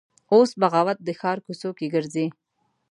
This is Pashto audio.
اوس بغاوت د ښار کوڅ وکې ګرځي